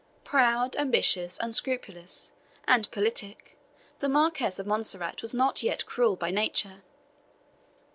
Proud, ambitious, unscrupulous, and politic, the Marquis of Montserrat was yet not cruel by nature.